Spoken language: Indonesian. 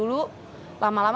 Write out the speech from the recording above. udah tidak saja keluarga